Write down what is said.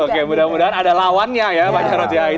oke mudah mudahan ada lawannya ya pak jarod yai